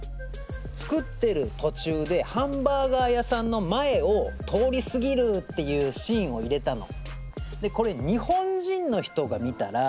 作ってるとちゅうでハンバーガー屋さんの前を通りすぎるっていうシーンを入れたの。